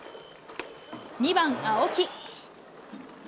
２番青木。